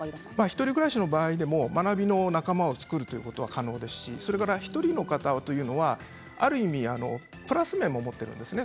１人暮らしの場合でも学びの仲間を作ることは可能ですし１人の方というのは、ある意味プラス面も持っているわけです。